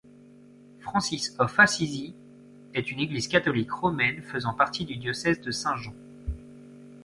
Francis of Assisi est une église catholique romaine faisant partie du diocèse de Saint-Jean.